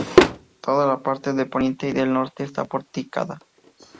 Toda la parte de poniente y del norte está porticada.